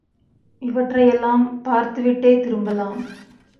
இவற்றையெல்லாம் பார்த்து விட்டே திரும்பலாம்.